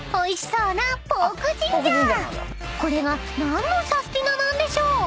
［これが何のサスティななんでしょう？］